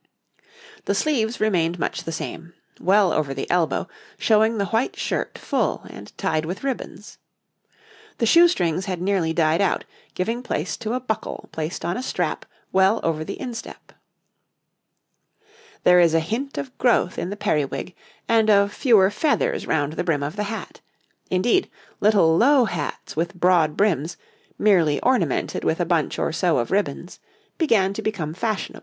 The sleeves remained much the same, well over the elbow, showing the white shirt full and tied with ribbons. The shoe strings had nearly died out, giving place to a buckle placed on a strap well over the instep. There is a hint of growth in the periwig, and of fewer feathers round the brim of the hat; indeed, little low hats with broad brims, merely ornamented with a bunch or so of ribbons, began to become fashionable.